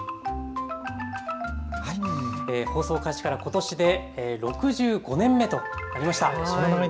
放送開始からことしで６５年目となりました。